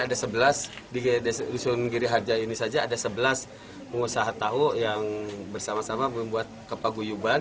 ada sebelas di dusun giri harja ini saja ada sebelas pengusaha tahu yang bersama sama membuat kepaguyuban